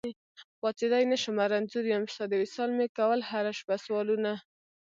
پاڅېدی نشمه رنځور يم، ستا د وصال مي کول هره شپه سوالونه